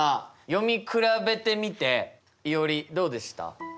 読み比べてみていおりどうでした？